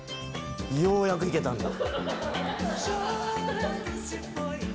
ようやく行けたんだ。